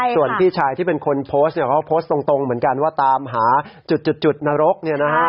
ส่วนพี่ชายที่เป็นคนโพสต์เนี่ยเขาโพสต์ตรงเหมือนกันว่าตามหาจุดนรกเนี่ยนะฮะ